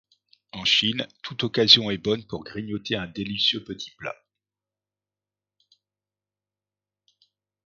En Chine, toute occasion est bonne pour grignoter un délicieux petit plat.